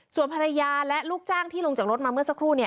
ส่วนภรรยาและลูกจ้างที่ลงจากรถมาเมื่อสักครู่